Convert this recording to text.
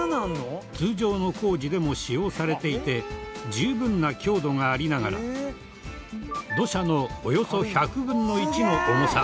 通常の工事でも使用されていて十分な強度がありながら土砂のおよそ１００分の１の重さ。